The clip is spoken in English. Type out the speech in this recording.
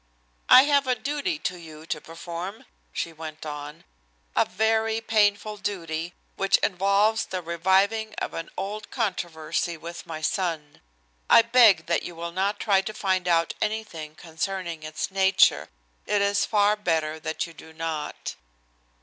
"I have a duty to you to perform," she went on, "a very painful duty, which involves the reviving of an old controversy with my son. I beg that you will not try to find out anything concerning its nature. It is far better that you do not."